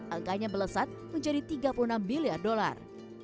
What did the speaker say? angkanya melesat menjadi tiga puluh enam miliar dolar